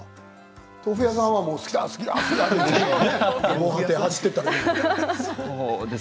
豆腐屋さんは好きだ、好きだで。